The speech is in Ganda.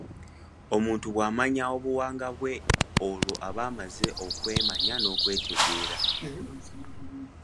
Omuntu bw’amanya obuwangwa bwe olwo aba amaze okwemanya n’okwetegeera.